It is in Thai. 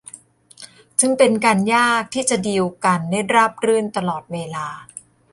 จึงเป็นการยากที่จะดีลกันได้ราบรื่นตลอดเวลา